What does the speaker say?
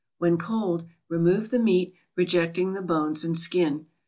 When cold, remove the meat, rejecting the bones and skin.